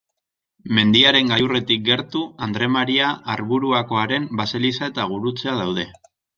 Mendiaren gailurretik gertu Andre Maria Arburuakoaren baseliza eta gurutzea daude.